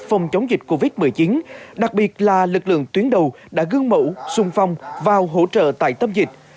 phòng chống dịch covid một mươi chín đặc biệt là lực lượng tuyến đầu đã gương mẫu sung phong vào hỗ trợ tại tâm dịch